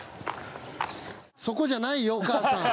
そこじゃないよお母さん。